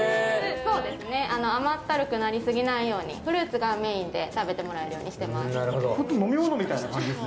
甘ったるくなり過ぎないようにフルーツがメインで食べてもらえるようにしています。